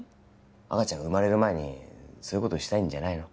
赤ちゃん生まれる前にそういうことしたいんじゃないの？